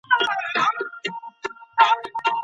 ولې ځايي واردوونکي ساختماني مواد له هند څخه واردوي؟